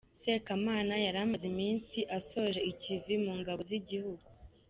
Sekamana yari amaze iminsi asoje ikivi mu ngabo z’igihugu .